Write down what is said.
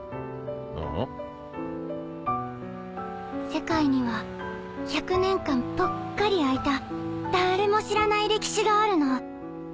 世界には１００年間ぽっかり空いた誰も知らない歴史があるの